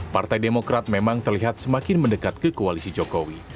partai demokrat memang terlihat semakin mendekat ke koalisi jokowi